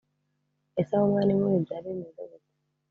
Ese aho mwari muri byari bimeze gute